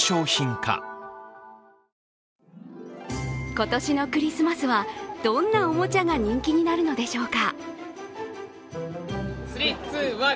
今年のクリスマスは、どんなおもちゃが人気になるのでしょうか。